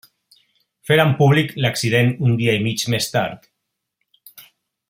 Feren públic l'accident un dia i mig més tard.